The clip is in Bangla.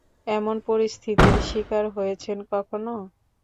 এমন পরিস্থিতির স্বীকার হয়েছেন কখনো?